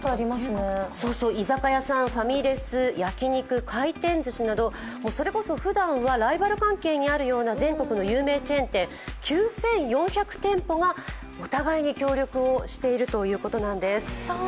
居酒屋さん、ファミレス、焼き肉、回転ずしなどそれこそふだんはライバル関係にあるような全国の有名チェーン店９４００店舗が、お互いに協力をしているということなんです。